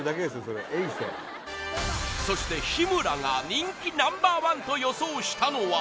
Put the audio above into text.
それ榮川そして日村が人気ナンバー１と予想したのは？